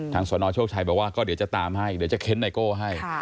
ทางสวรรค์น้อยโชคชัยบอกว่าเดี๋ยวจะตามให้ในโก่ให้